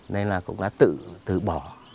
nên là cũng đã tự bỏ